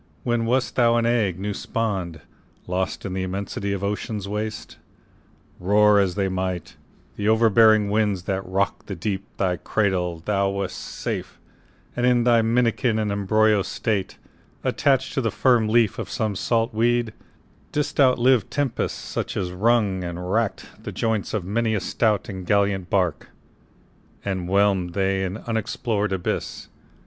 When wast thou an egg new spawn'd, Lost in the immensity of ocean's waste? Roar as they might, the overbearing winds That rock'd the deep, thy cradle, thou wast safe And in thy minikin and embryo state, Attach'd to the firm leaf of some salt weed, Didst outlive tempests, such as wrung and rack'd The joints of many a stout and gallant bark, And whelm'd them in the unexplor'd abyss.